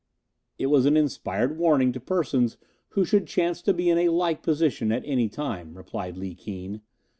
"It was an inspired warning to persons who should chance to be in a like position at any time," replied Li Keen.